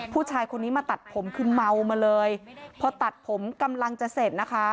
ผู้ชายคนนี้มาตัดผมคือเมามาเลยพอตัดผมกำลังจะเสร็จนะคะ